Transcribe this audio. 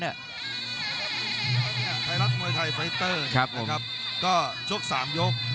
ใช่ครับพี่ครับไทรัฐมือไทยไฟตเตอร์เนี่ยก็ชก๓ยก